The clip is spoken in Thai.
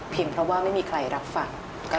เพราะว่าไม่มีใครรับฟัง